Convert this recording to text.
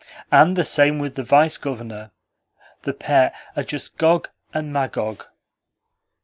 And the same with the Vice Governor. The pair are just Gog and Magog."